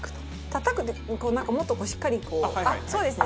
たたくってなんかもっとしっかりこうあっそうですね